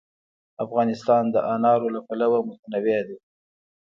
افغانستان د انار له پلوه متنوع دی.